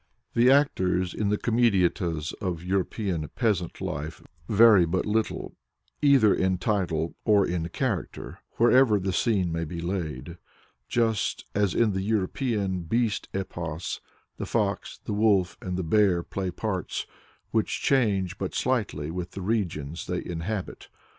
The actors in the comediettas of European peasant life vary but little, either in title or in character, wherever the scene may be laid; just as in the European beast epos the Fox, the Wolf, and the Bear play parts which change but slightly with the regions they inhabit.